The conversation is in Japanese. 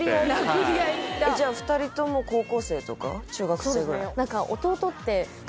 じゃあ２人とも高校生とか？中学生ぐらい？